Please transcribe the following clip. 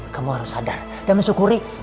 kamu harus sadar dan mensyukuri